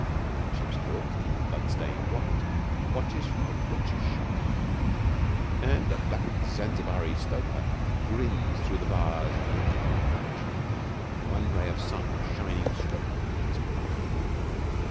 The ship's cook, in blood stained white, watches from the butcher's shop, and a black Zanzibari stoker grins through the bars of the engine room hatch, one ray of sun shining straight into his pink mouth.